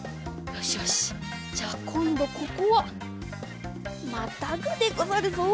よしよしじゃあこんどここはまたぐでござるぞ。